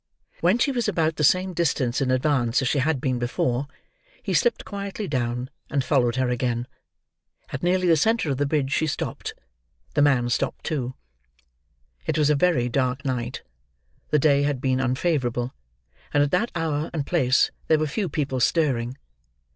When she was about the same distance in advance as she had been before, he slipped quietly down, and followed her again. At nearly the centre of the bridge, she stopped. The man stopped too. It was a very dark night. The day had been unfavourable, and at that hour and place there were few people stirring.